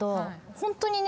ホントにね